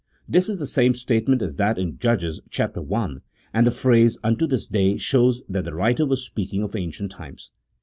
This is the same statement as that in Judges, chap, i., and the phrase " unto this day " shows that the writer was speaking of ancient times.